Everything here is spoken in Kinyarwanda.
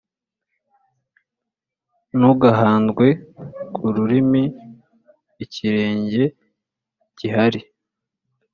Ntugahandwe ku rurimi ikirenge gihari.